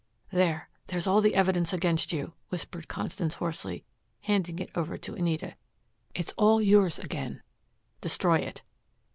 "There there's all the evidence against you," whispered Constance hoarsely, handing it over to Anita. "It's all yours again. Destroy it."